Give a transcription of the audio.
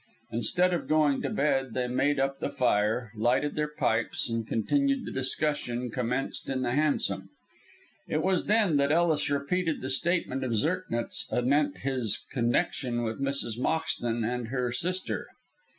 Instead of going to bed, they made up the fire, lighted their pipes, and continued the discussion commenced in the hansom. It was then that Ellis repeated the statement of Zirknitz anent his connection with Mrs. Moxton and her sister.